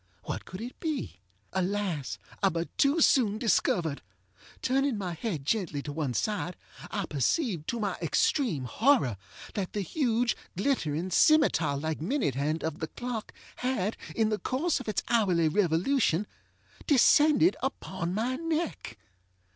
What could it be? Alas! I but too soon discovered. Turning my head gently to one side, I perceived, to my extreme horror, that the huge, glittering, scimetar like minute hand of the clock had, in the course of its hourly revolution, descended upon my neck.